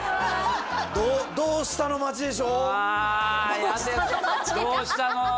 「どうしたの？」